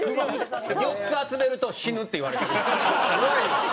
４つ集めると死ぬっていわれてるんですよね。